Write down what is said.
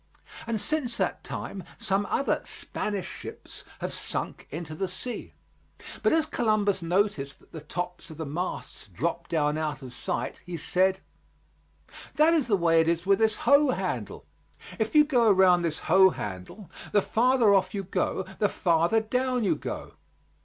And since that time some other "Spanish ships" have sunk into the sea. But as Columbus noticed that the tops of the masts dropped down out of sight, he said: "That is the way it is with this hoe handle; if you go around this hoe handle, the farther off you go the farther down you go.